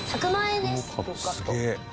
すげえ。